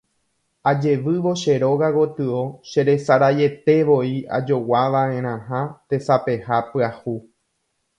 Ajevývo che róga gotyo cheresaraietevoi ajoguava'erãha tesapeha pyahu.